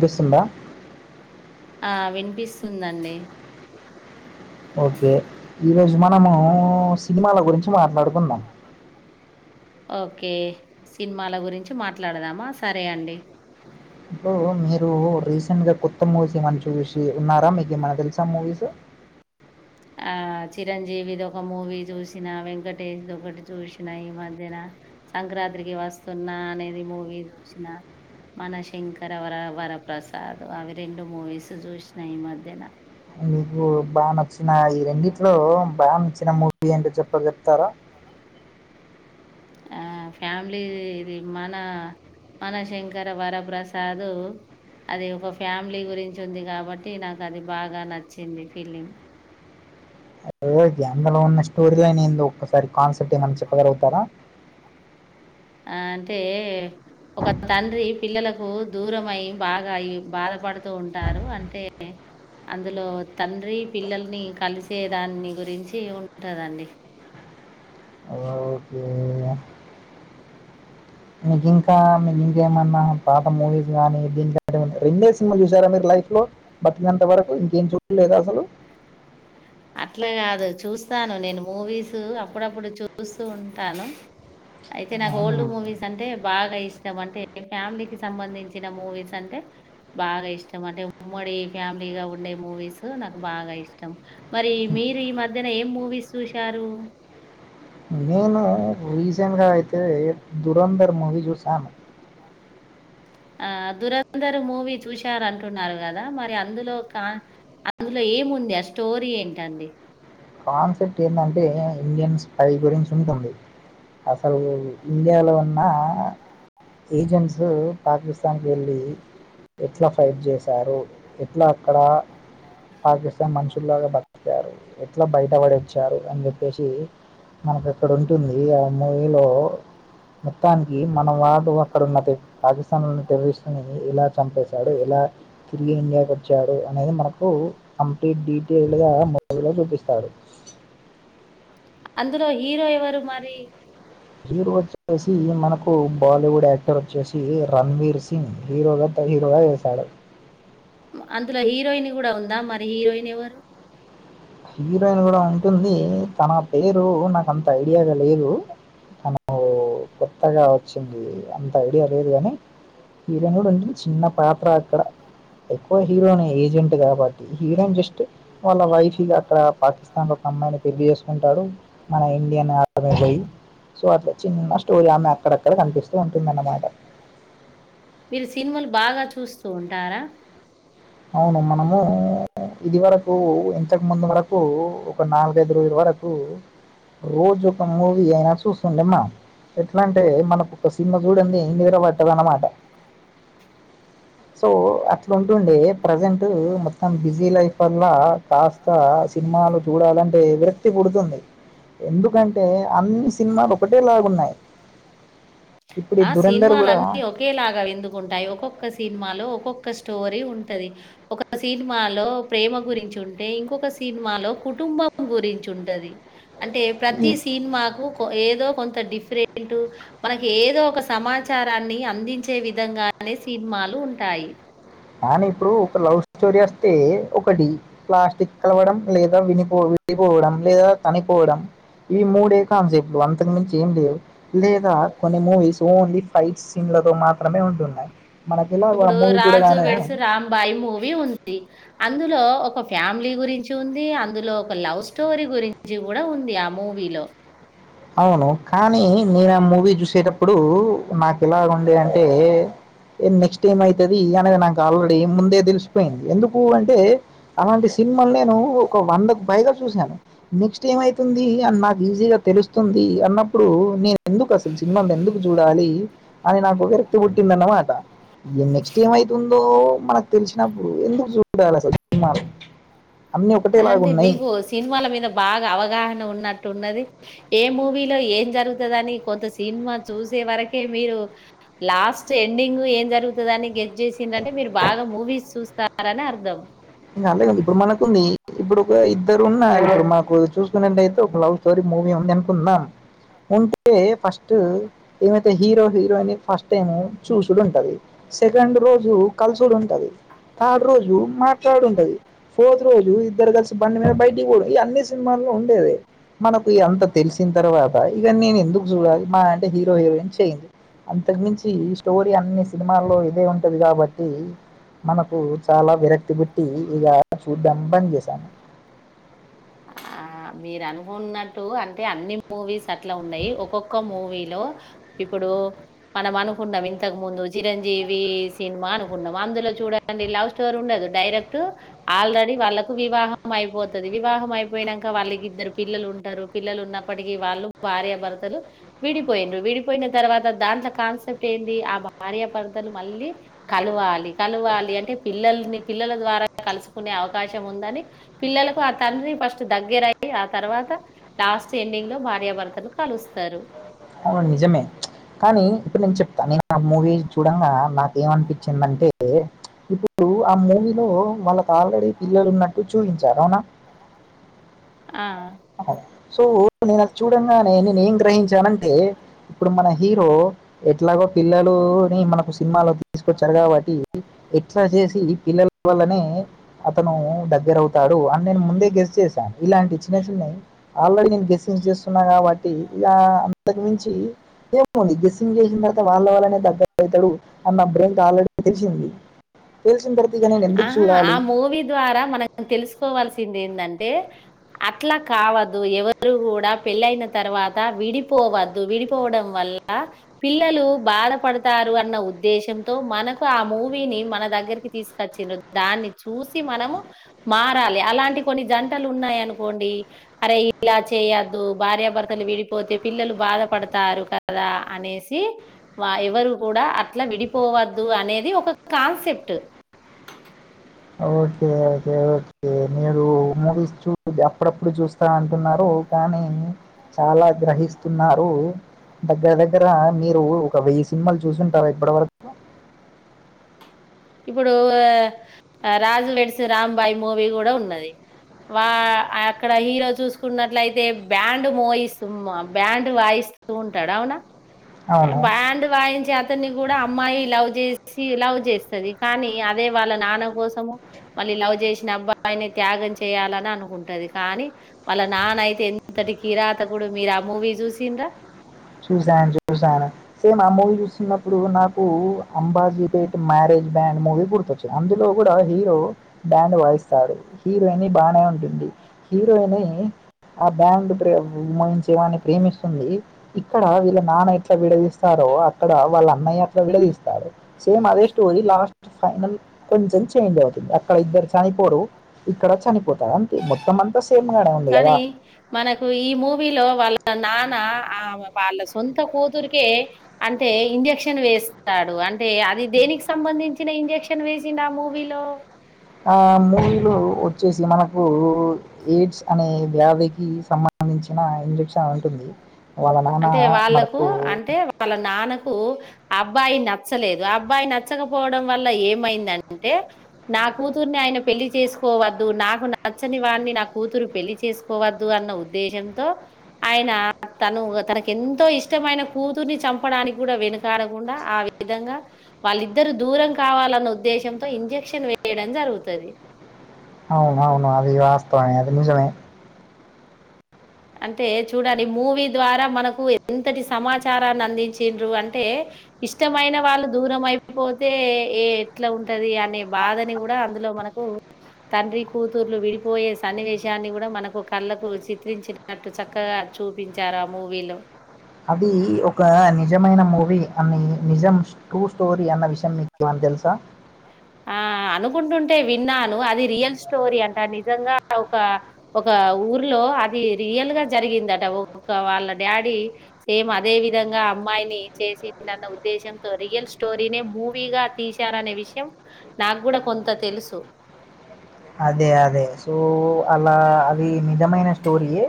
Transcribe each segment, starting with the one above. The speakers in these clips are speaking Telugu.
బస్సుంద ఆ వినిపిస్తుందండి ఓకే ఈరోోజు మనము సినిమాల గురించి మాట్లాడుతున్నాం ఓకే సినిమాల గురించి మాట్లాడదామా సరే అండి ఇప్పుడు మీరు రీసెంట్గా కొత్త మూవీస్ ఏమనా చూసి ఉన్నారా మీకు ఏమనా తెలుసా మూవీస్ ఆ చిరంజీవిది ఒక మూవీ చూసిన వెంకటేష్ది ఒకటి చూసిన ఈ మధ్యన సంక్రాంతికి వస్తున్న అనేది మూవీ చూసిన మన శంకర వర వరప్రసాద్ అవి రెండు మూవీస్ చూసినా ఈ మధ్యన మీకు బాగా నచ్చిన ఈ రెండి ఇట్లో బాగా ఇచ్చిన మూవీ ఏంటో చెప్ప చెప్తారా ఆ ఫ్యామిలీ ఇది మన మన శంకర వరప్రసాద్ అది ఒక ఫ్యామిలీ గురించి ఉంది కాబట్టి నాకు అది బాగా నచ్చింది ఫిలిం అద గంగలో ఉన్న స్టోరీలోందుో ఒక్కసారి కాన్సెప్ట్ ఏమనా చెప్పగలుగుతారా ఆ అంటే ఒక తండ్రి పిల్లలకు దూరం అై బాగా బాధపడుతూ ఉంటారు అంటే అందులో తండ్రి పిల్లల్ని కలిసే దాన్ని గురించి ఉంటదండి ఓకే మీకు ఇంకా ఇంకేమన్నా పాత మూవీస్ కానీ దీని రెండే సినిమా చూసారా మీరు లైఫ్ లో బతినంత వరకు ఇంకేం చూడలేదు అసలు అట్లా కాదు చూస్తాను నేను మూవీస్ అప్పుడప్పుడు చూస్తూ ఉంటాను అయితే నాకు ఓల్డ్ అసలు మూవీస్ అంటే బాగా ఇష్టం అంటే ఫ్యామిలీకి సంబంధించిన మూవీస్ అంటే బాగా ఇష్టం అంటే ఉమ్మడి ఫ్యామిలీగా ఉండే మూవీస్ నాకు బాగా ఇష్టం మరి మీరు ఈ మధ్యన ఏం మూవీస్ చూశారు నేను రీసెంట్గా అయితే ధురంధర్ మూవీ చూశాను ఆ దూరంధర్ మూవీ చూశారంటున్నారు కదా మరి అందులో కా అందులో ఏముంది ఆ స్టోరీ ఏంటండి కాన్సెప్ట్ ఏంటంటే ఇండియన్స్ పై గురించి ఉంటుంది అసలు ఇండియాలో ఉన్న ఏజెంట్స్ పాకిస్తాన్కి వెళ్ళి ఎట్లా ఫైట్ చేశారు ఎట్లా అక్కడ పాకిస్తాన్ మనుషులాగా బతికారు ఎట్లా బయటపడి వచ్చారు అని చెప్పేసి మనకు అక్కడ ఉంటుంది ఆ మూవీలో మొత్తానికి మన వాడు అక్కడున్న పాకిస్తాన్లో ఉన్న టెర్రరిస్టుని ఎలా చంపేశాడు ఎలా తిరిగి ఇండియాకి వచ్చాడు అనేది మనకు కంప్లీట్ డీటెయిల్గా అందులో హీరో ఎవరు మరి హీరో వచ్చేసి మనకు బాలీవుడ్ యాక్టర్ వచ్చేసి రణవీర్ సింగ్ హీరోగా హీరోగా చేసాడు అందులో హీరోయిన్ కూడా ఉందా మరి హీరోయిన్ ఎవరు హీరోయిన్ కూడా ఉంటుంది తన పేరు నాకు అంత ఐడియా లేదు తను కొత్ త్తగా వచ్చింది అ ఐడియా లేదు గాని హీరోయిన్ కూడా ఉంది చిన్న పాప అక్కడ అక్కడ ఎక్కువ హీరోయినే ఏజెంట్ కాబట్టి హీరోయిన్ జస్ట్ వళ్ళభయి ఫిదా అక్కడ పాకిస్తాన్ ఒక అమ్మాయిని పెళ్లి చేసుకుంటాడు మన ఇండియన్ ఆర్మీ పోయి సో అట్లా చిన్న స్టోరీ ఆమె అక్కడక్కడ కనిపిస్తూ ఉంటుందన్నమాట మీరు సినిమాలు బాగా చూస్తూ ఉంటారా అవును మనము ఇది వరకు ఇంతకు ముందు వరకు ఒక నాలుగైదు రోజుల వరకు రోజు ఒక మూవీ అయినా చూస్తుండ అమ్మా ఎట్లా అంటే మనకు ఒక సినిమా చూడంది నిద్రబట్టదు అన్నమాట సో అట్లా ఉంటుండే ప్రజెంట్ మొత్తం బిజీ లైఫ్ వల్ల కాస్త సినిమాలు చూడాలంటే విరక్తి పుడుతుంది ఎందుకంటే అన్ని సినిమాలు ఒకటేలాగున్నాయి ఇప్పుడు ఆ దురేంధర్ కూడా సినిమాలన్నీ ఒకేలాగా ఒక్కస్ స్టోరీ ఉంటది ఒక సినిమాలో ప్రేమ గురించి ఉంటే ఇంకొక సినిమాలో కుటుంబం గురించి ఉంటది అంటే ప్రతి సినిమాకు ఏదో కొంత డిఫ రెంటు మనకి ఏదో ఒక సమాచారాన్ని అందించే విధంగానే సినిమాలు ఉంటాయి కానీ ఇప్పుడు ఒక లవ్ స్టోరీ వస్తే ఒకటి ప్లాస్టిక్ కలవడం లేదా వినిపో విడిపోవడం లేదా చనిపోవడం ఈ మూడే కాన్సెప్ట్లు అంతకు మించ ఏం లేవు లేదా కొన్ని మూవీస్ ఓన్లీ ఫైట్ సీన్లతో మాత్రమే ఉంటున్నాయి మనకిలా ఇప్పుడు మూవీస్ కూడా 'రాజు వెడ్స్ రాంబాయి మూవీ ఉంది అందులో ఒక ఫ్యామిలీ గురించి ఉంది అందులో ఒక లవ్ స్టోరీ గురించి కూడా ఉంది ఆ మూవీలో అవును కానీ నేను ఆ మూవీ చూసేటప్పుడు నాకు ఇలాగ ఉండే అంటే నెక్స్ట్ టైం అయితది అనేది నాకు ఆల్రెడీ ముందే తెలిసిపోయింది ఎందుకు అంటే అలాంటి సినిమాలు నేను ఒక వందకు పైగా చూశాను నెక్స్ట్ ఏం అయితుంది అని నాకు ఈజీగా తెలుస్తు ంది అన్నప్పుడు నేను ఎందుకు అసలు సినిమాలు ఎందుకు చూ డాలి అని నాకు విరక్తి పుట్టిందన్నమాట ఏ నెక్స్ట్ ఏమ్ అయితుందో మనకు తెలిచినప్పుడు ఎందుకు చూడాలసలు సినిమాలు అన్నీ ఒకటేలాగా అంటే ఉన్నాయి మీకు సినిమాల మీద బాగా అవగాహన ఉన్నట్టు ఉన్నది ఏ మూవీలో ఏం జరుగుతదని కొంత సినిమా చూసే వరకే మీరు లాస్ట్ ఎండింగ్ ఏం జరుగుతదిని గే స్ చేసిందంటే మీరు బాగా మూవీస్ చూస్త రని అర్థం ఇంకా అలాగ ఇప్పుడు మనకుంది ఇప్పుడు ఒక ఇద్దరు ఉన్నారు ఇప్పుడు మాకు చూసుకున్నట్టయితే ఒక లవ్ స్టోరీ మూవీ ఉంది అనుకుందాం ఉంటే ఫస్ట్ ఏమైతే హీరో హీరోయిన్ ఫస్ట్ టైము చూసుడు ఉంటది సెకండ్ రోజు కలిసుడు ఉంటది థర్డ్ రోజు మా డు ఉంటది ఫోర్త్ రోజు ఇద్దరు కలిసి బండి మీద బయటికి పోవడం ఈ అన్ని సినిమాల్లో ఉండేది మనకు అంత తెలిసిన తర్వాత ఇక నేను ఎందుకు చూడాలి?. మా అంటే హీరో హీరోయిన్ చేయింది అంతకుమించి ఈ స్టోరీ అన్ని సినిమాల్లో ఇదే ఉంటుంది. కాబట్టి మనకు చాలా విరక్తి బుట్టి ఇద చూడ్డమ్ బంద్ చేసాను మీర్ అనుకున్నట్ టు అంటే అన్ని మూవీస్ అట్ల ఉన్నాయి. ఒక్కొక్క మూవీలో ఇప్పుడు మనం అనుకున్నాం ఇంతకు ముందు చిరంజీవి సినిమా అనుకున్నాం అందులో చూడండి లవ్ స్టోరీ ఉండదు డైరెక్ట్ ఆల్రెడీ వాళ్ళకు వివాహం అయిపోతది వివాహం అయిపోయినంక వాళ్ళకి ఇద్దరు పిల్లలు ఉంటరు పిల్లలు ఉన్నప్పటికీ వాళ్ళు భార్యాభర్తలు విడిపోయిండ్రు, విడిపోయిన తర్వాత దాంట్లో కాన్సెప్ట్ ఏంది ఆ భార్యాభర్త లు మళ్ళీ కలవాలి కలవాలి అంటే పిల్లల్ని పిల్లల ద్వారా కలుసుకునే అవకాశం ఉందని పిల్లలకు ఆ తండ్రిని ఫస్ట్ దగ్గర అయ్యి ఆ తర్వాత లాస్ట్ ఎండింగ్ లో భార్యాభర్తలు కలుస్తరు అవును అండి నిజమే చుప్ కానీ ఇప్పుడు నేను చెప్తాను, నేను ఆ మూవీ చూడంగా నాకేమనిపించిందంటే ఇప్పుడు ఆ మూవీలో వాళ్ళకు ఆల్రెడీ పిల్లలు ఉన్నట్టు చూయించారు అవునా ఆ సో నేను అది చూడంగానే నేను ఏం గ్రహించానంటె అంటే ఇప్పుడు మన హీరో ఎట్లాగో పిల్లలుని మనకు సినిమాలో తీసుకొచ్చారు కాబట్టి ఎట్లా చేసి పిల్లల వల్లనే అతను దగ్గరవుతు రు అ నేను ముందే గెస్ చేసాను ఇలాంటి చిన్న చిన్న ఆల్రెడీ నేను గెస్ చేస్తున్నా కాబట్టి ఇగా అంతకు మించి ఏముంది గెస్సింగ్ చేసిన తర్వాత వాళ్ళ వాళ్ళనే దగ్గర అయితాడు అన్న బ్రెయిన్ ఆల్రెడీ తెలిసింది తెలిసిన తర్వాత ఇక నేను ఎందుకు ఆహా చూడాలి? కోవాల్సింది ఏంటంటే అట్లా కావద్దు ఎవరు కూడా పెళ్ళయిన తర్వాత విడిపోవద్దు. విడిపోవడం వల్ల పిల్లలు బాధపడతారు అన్న ఉద్దేశంతో మనకు ఆ మూవీని మన దగ్గరికి తీసుకొచ్చిన్ డ్రు దాన్ని చూసి మనము మార్ మారాలి. అలాంటి కొన్ని జంటలు ఉన్నాయి అనుకోండి అరే ఇలా చేయొద్దు భార్యాభర్తలు విడిపోతే పిల్లలు బాధపడతారు కదా అనేసి వా ఎవరు కూడా అట్లా విడిపోవద్దు అనేది ఒక కాన్సెప్ట్ ఓకే ఓకే ఓకే మీరు మూవీస్ చూ అప్పుడప్పుడు చూస్తా అంటున్నారు కానీ చాలా గ్రహిస్తున్నారు. దగ్గర దగ్గర మీరు ఒక వెయ్యి సినిమాలు చూసుంటార ఇప్పటివరకు ఇప్పుడు రాజు వెడ్సు రాంబాయి్ మూవీ కూడా ఉన్నది వా అక్కడ హీరో చూసుకున్నట్లయితే బ్యాండ్ మూవీస్ బ్యాండ్ వాయిస్ ఉంటాడు అవునా అవును. బ్యాండ్ వాయించేఅతన్ అతని కూడా అమ్మాయి లవ్ చేసి లవ్ చేస్తది. కానీ అదే వాళ్ళ నాన్న కోసము మళ్ళీ లవ్ చేసిన అబ్బాయిని త్యాగం చేయాలని అనుకుంటది, కానీ వాళ్ళ నాన్న అయితే ఎంతటి కిరాతకుడు మీరు ఆ మూవీ చూసిన్రా చూసాను చూసాను సేమ్ ఆ మూవీ చూస్తున్నప్పుడు నాకు అంబాజీపేట్ మ్యారేజ్ బ్యాండ్ మూవీ గుర్తొచ్చింది. అందులో కూడా హీరో బ్యాండ్ వాయిస్తాడు హీరోయిని బాగానే ఉంటుంది హీరోయిని ఆ బ్యాండ్ ప్రే వాయించే వాన్ని ప్రేమిస్తుంది ఇక్కడ వీళ్ళ నానై అట్లా విడదీస్తారో అక్కడ వాళ్ళ అన్నయ్య అట్లా విడదీస్తాడు సేమ్ అదే స్టోరీ లాస్ట్ ఫైనల్ కొంచెం చేంజ్ అవుతుంది. ఇక్కడ ఇద్దరు చనిపోరు ఇక్కడ చనిపోతారు అంతే మొత్తం అంతా సేమ్ గానే ఉంది కదా? కానీ మనకు ఈ మూవీలో వాళ్ళ నాన్న ఆ వాళ్ళ సొంత కూతురికే అంటే ఇంజక్షన్ వేస్తాడు. అంటే అది దేనికి సంబంధించిన ఇంజక్షన్ వేసిండు ఆ మూవీలో ఆ మూవీలు వచ్చేసి మనకు కు ఎయిడ్స్ అనే వ్యాధికి సంబంధించిన ఇంజక్షన్ ఉంటుంది వాళ్ళ నాన్న అంటే వాళ్ళకు మనకు అంటే వాళ్ళ నాన్నకు కు అబ్బాయి నచ్చలేదు అబ్బాయి నచ్చకపోవడం వల్ల ఏమైందంటే నా కూతుర్ని ఆయన పెళ్లి చేసుకోవద్దు నాకు నచ్చని వాడిని నా కూతురు పెళ్లి చేసుకోవద్దు అన్న ఉద్దేశంతో ఆయన తను తనకు ఎంతో ఇష్టమైన కూతుర్ని చంపడానికి కూడా వెనుకాడకుండా ఆ విధంగా వాళ్ళిద్దరు దూరం కావాలన్న ఉద్దేశంతో ఇంజక్షన్ వేయడం జరుగుతది. అవును అవును అది వాస్తవం అది నిజమే అంటే చూడాలి మూవీ ద్వారా మనకు ఎంతటి సమాచారాన్ని అందించిన్ డ్రు అంటే ఇష్టమైన వాళ్ళు దూరం అయిపోతే ఏ ఎట్లా ఉంటది అనే బాధని కూడా అందులో మనకు తండ్రి కూతుర్లు విడిపోయే సన్నివేశాన్ని కూడా మనకు కళ్ళకు చిత్రించిన నట్టు చక్కగా చూపించారు ఆ మూవీలో అది ఒక నిజమైన మూవీ అని నిజం ట్రూ స్టోరీ అన్న విషయం మీకు ఏమన్న తెలుసా ఆ అనుకుంటుంటే విన్నాను. అది రియల్ స్టోరీ అంట నిజంగా ఒక ఒక ఊర్లో అది రియల్ గా జరిగిందట ఒక వాళ్ళ డాడీ సేమ్ అదే విధంగా అమ్మాయిని చేసిందన్న ఉద్దేశంతో రియల్ స్టోరీనే మూవీగా తీశారనే విషయం నాకు గుడా కొంత తెలుసు అదే అదే సో అలా అవి మీ జమైన స్టోరియే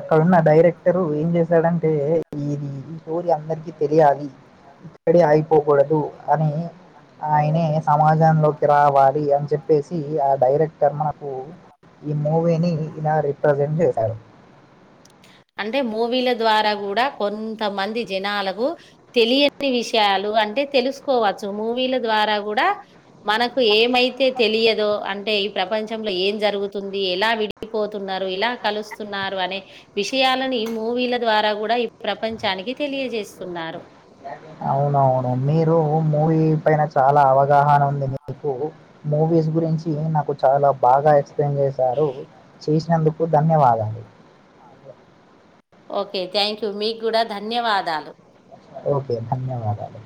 అక్కడున్న డైరెక్టరు ఏం జేశాడంటే ఇది ఈ స్టోరీ అందరికి తెలియాలి ఇక్కడే ఆగి. పోకూడదు అని ఆయనే సమాజంలోకి రావాలి అని చెప్పేసి ఆ డైరెక్ట్ కర్మణకు ఈ మూవీని ఇలా రిప్రజెంట్ చేశారు. టే మూవీల ద్వారా గూడా కొంతమంది జనాలకు తెలియని విషయాలు అంటే తెలుసుకోవచ్చు మూవీల ద్వారా గూడా మన. ఏమైతే తెలియదో అంటే ఈ ప్రపంచంలో ఏం జరుగుతుంది ఎలా విడిపోతున్నారు ఇలా కలుస్తున్నారు అనే విషయాలని ఈ మూవీల ద్వారా గూడా ఈ ప్రపంచానికి తెలియజేస్తున్నారు. అవును అవును మీరు మూవీ పైన చాలా అవగాహన ఉంది మీకు మూవీస్ గురించి నాకు చాలా బాగా ఎ. క్స్పెయ్న్ జేశారు చేసినందుకు కు ధన్యవాదాలు ఒకే థ్యాంక్ యూ మీక్ గూడా ధన్యవాదాలు. ఓకే ధన్యవాదాలు.